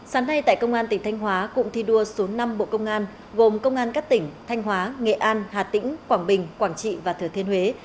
sáng nay tại công an tỉnh thanh hóa cụm thi đua số năm bộ công an gồm công an các tỉnh thanh hóa nghệ an hà tĩnh quảng bình quảng trị và thừa thiên huế